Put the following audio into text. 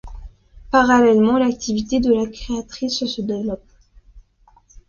Parallèlement l’activité de la créatrice se développe.